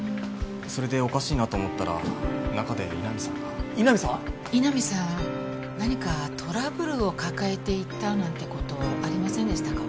それでおかしいなと思ったら中で井波さんが。井波さん何かトラブルを抱えていたなんて事ありませんでしたか？